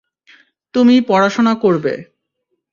তুমি পড়াশোনা করবে।